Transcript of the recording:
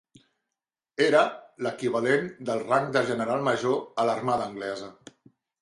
Era l"equivalent del rang de general major a l"armada anglesa.